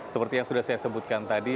seperti yang sudah saya sebutkan tadi